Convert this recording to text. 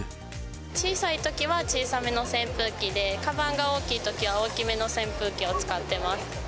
小さいときは小さめの扇風機で、かばんが大きいときは大きめの扇風機を使っています。